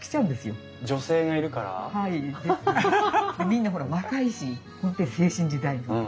みんなほら若いし本当に青春時代。